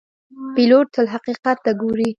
پیلوټ تل حقیقت ته ګوري.